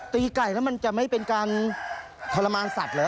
ตีไก่แล้วมันจะไม่เป็นการทรมานสัตว์เหรอ